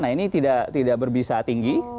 ini tidak berbisa tinggi